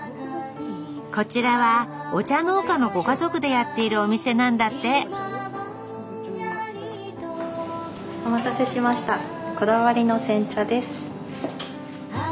こちらはお茶農家のご家族でやっているお店なんだってお待たせしました。